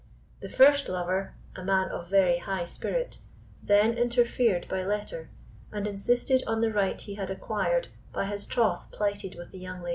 The first lover, a man of very high spirit, then interfered by letter, and insisted on the right he had acquired by his troth plighted with the young lady.